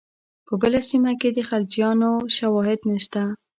په بله سیمه کې د خلجیانو شواهد نشته.